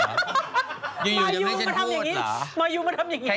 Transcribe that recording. มาอยู่มาทำอย่างนี้